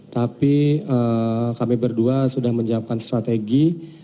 tapi kami berdua sudah menjawabkan strategi